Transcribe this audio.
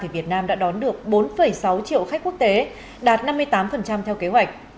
việt nam đã đón được bốn sáu triệu khách quốc tế đạt năm mươi tám theo kế hoạch